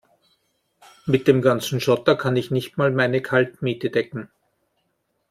Mit dem ganzen Schotter kann ich nicht mal meine Kaltmiete decken.